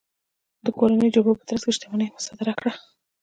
د کورنیو جګړو په ترڅ کې شتمنۍ مصادره کړل.